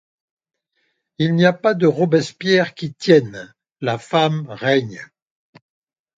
Il n'y a pas de Robespierre qui tienne, la femme règne.